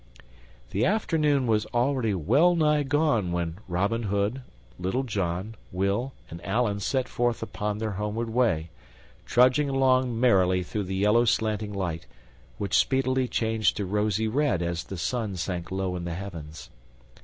The afternoon was already well nigh gone when Robin Hood, Little John, Will, and Allan set forth upon their homeward way, trudging along merrily through the yellow slanting light, which speedily changed to rosy red as the sun sank low in the heavens.